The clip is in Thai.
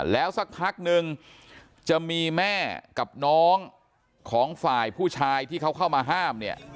แล้วสักพักนึงจะมีแม่กับน้องของฝ่ายผู้ชายที่เขาเข้ามาห้ามเนี่ย